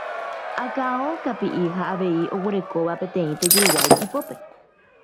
akão kapi'i ha avei oguerekóva peteĩ tejuruguái ipópe